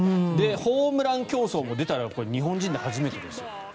ホームラン競争も出たら日本人で初めてですよ。